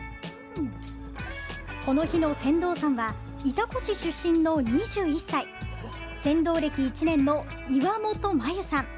この日の船頭さんは潮来市出身の２１歳船頭歴１年の、岩本真侑さん。